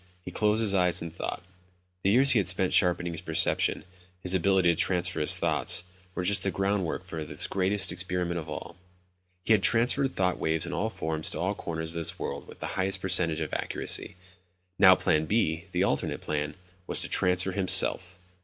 He closed his eyes and thought. The years he had spent sharpening his perception, his ability to transfer his thoughts, were just the groundwork for this greatest experiment of all. He had transferred thought waves in all forms to all corners of this world with the highest percentage of accuracy. Now Plan B, the alternate plan, was to transfer himself!